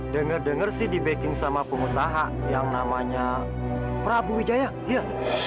dengar dengar sih di backing sama pengusaha yang namanya prabu wijaya iya